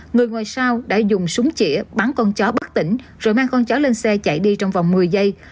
người ngoài sau đã dùng súng chĩa bắn con chó bất tỉnh rồi mang con chó lên xe chạy đi trong vòng một mươi giây